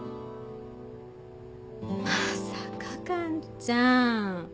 まさか完ちゃん。